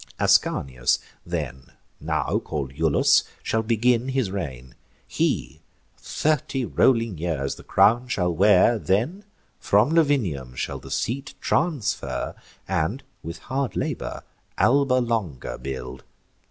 Ascanius then, Now call'd Iulus, shall begin his reign. He thirty rolling years the crown shall wear, Then from Lavinium shall the seat transfer, And, with hard labour, Alba Longa build.